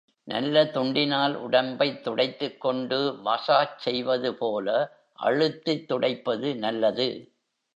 நல்ல துண்டினால், உடம்பைத் துடைத்துக் கொண்டு மசாஜ் செய்வது போல அழுத்தித் துடைப்பது நல்லது.